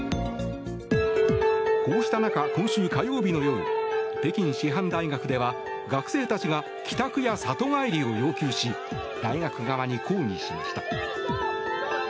こうした中、今週火曜日の夜北京師範大学では学生たちが帰宅や里帰りを要求し大学側に抗議しました。